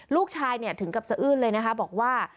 ลูกชายถึงกับสะอื้นเลยนะคะบอกว่า